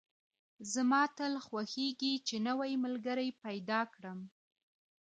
زما تل خوښېږي چې نوی ملګري پیدا کدم